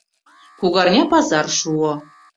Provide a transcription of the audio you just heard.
Кугарня пазар шуо.